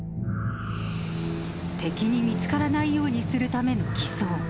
敵に見つからないようにするための偽装。